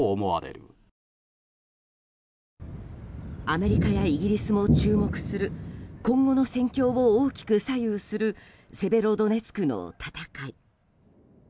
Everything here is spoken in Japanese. アメリカやイギリスも注目する今後の戦況を大きく左右するセベロドネツクの戦い。